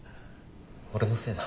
俺のせいだ。